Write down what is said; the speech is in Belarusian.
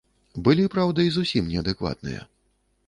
Былі, праўда, і зусім неадэкватныя.